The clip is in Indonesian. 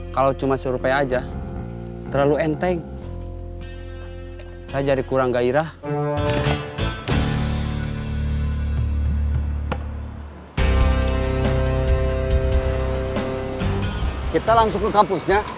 kita langsung ke kampusnya